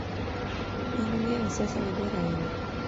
In ingeyo siasa maber ahinya.